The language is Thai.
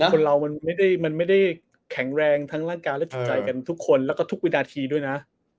คนเรามันไม่ได้แข็งแรงทั้งร่างกายและจิตใจกันทุกคนแล้วก็ทุกวินาทีด้วยนะ